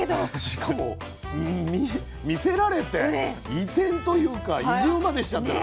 しかも魅せられて移転というか移住までしちゃってる。